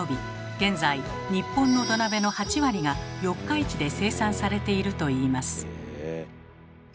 現在日本の土鍋の８割が四日市で生産されているといいます。